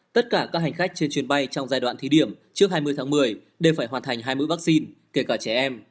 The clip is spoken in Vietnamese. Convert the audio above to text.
tất cả các hành khách trên chuyến bay trong giai đoạn thí điểm trước hai mươi tháng một mươi đều phải hoàn thành hai mũi vaccine kể cả trẻ em